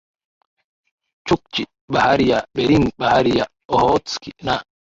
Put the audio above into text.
Chukchi Bahari ya Bering Bahari ya Ohotsk na